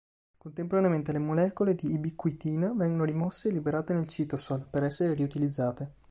Contemporaneamente le molecole di ubiquitina vengono rimosse e liberate nel citosol, per essere riutilizzate.